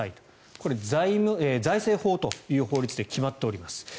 これ、財政法という法律で決まっております。